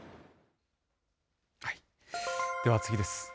では次です。